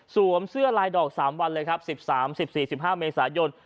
สวมเสื้อหลายดอก๓วัน๑๓๑๕เมริษาประเภทยนตร์